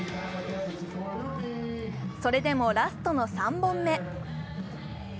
それでもラストの３本目。